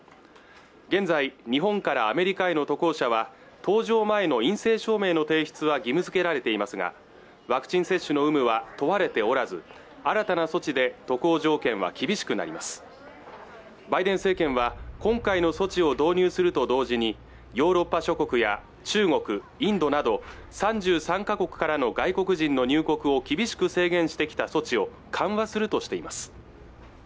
現在日本からアメリカへの渡航者は搭乗前の陰性証明の提出は義務付けられていますがワクチン接種の有無は問われておらず新たな措置で渡航条件は厳しくなりますバイデン政権は今回の措置を導入すると同時にヨーロッパ諸国や中国インドなど３３か国からの外国人の入国を厳しく制限してきた措置を緩和するとしています